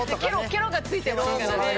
「けろ」がついてますからね。